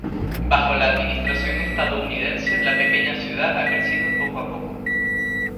Bajo la administración estadounidense, la pequeña ciudad ha crecido poco a poco.